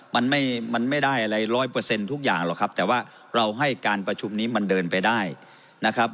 มันไม่มันไม่ได้อะไรร้อยเปอร์เซ็นต์ทุกอย่างหรอกครับแต่ว่าเราให้การประชุมนี้มันเดินไปได้นะครับ